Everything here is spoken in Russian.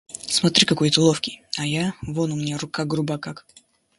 Смотри, какой ты ловкий, а я — вон у меня рука груба как.